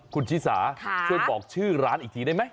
คุณชิสาช่วยบอกชื่อร้านอีกทีได้ไหม